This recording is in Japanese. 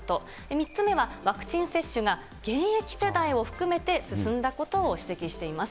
３つ目はワクチン接種が現役世代を含めて進んだことを指摘しています。